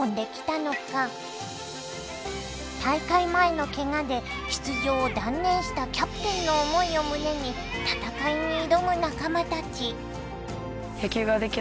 大会前のけがで出場を断念したキャプテンの思いを胸に戦いに挑む仲間たち。